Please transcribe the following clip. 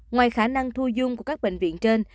ngoài khả năng thu dung của các bệnh viện trên